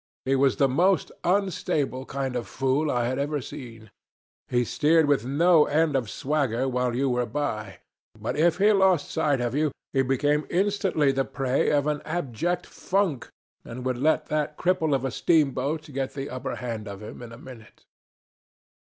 He was the most unstable kind of fool I had ever seen. He steered with no end of a swagger while you were by; but if he lost sight of you, he became instantly the prey of an abject funk, and would let that cripple of a steamboat get the upper hand of him in a minute.